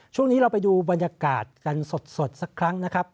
ช่วงนี้เราไปดูบรรยากาศกันสดสักครั้งนะครับ